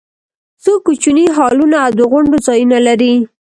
څو کوچني هالونه او د غونډو ځایونه لري.